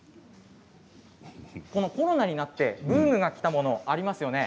コロナになってブームがきたものありますよね。